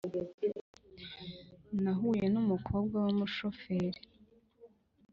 Nahuye nu mukobwa wumushoferi